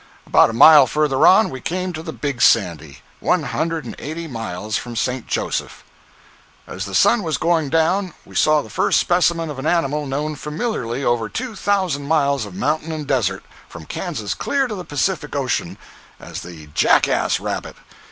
About a mile further on, we came to the Big Sandy—one hundred and eighty miles from St. Joseph. As the sun was going down, we saw the first specimen of an animal known familiarly over two thousand miles of mountain and desert—from Kansas clear to the Pacific Ocean—as the "jackass rabbit."